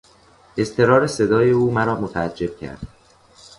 اضطرار صدای او مرا متعجب کرد.